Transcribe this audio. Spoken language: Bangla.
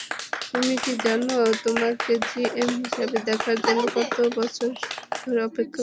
তুমি কি জানো তোমাকে জিএম হিসেবে দেখার জন্য কত বছর ধরে অপেক্ষা করছি?